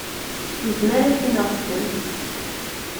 Yezmer ad k-ineɣ ssem.